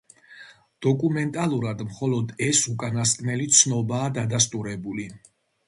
დოკუმენტალურად მხოლოდ ეს უკანასკნელი ცნობაა დადასტურებული.